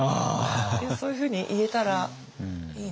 そういうふうに言えたらいいな。